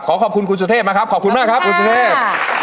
ขอบคุณคุณสุเทพนะครับขอบคุณมากครับคุณสุเทพ